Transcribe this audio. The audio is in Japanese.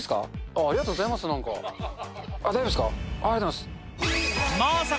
ありがとうございます、なんか。